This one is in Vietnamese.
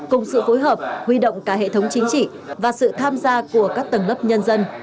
cùng sự phối hợp huy động cả hệ thống chính trị và sự tham gia của các tầng lớp nhân dân